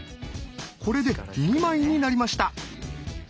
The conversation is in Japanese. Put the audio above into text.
これで２枚になりました。